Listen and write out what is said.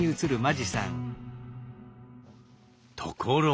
ところが。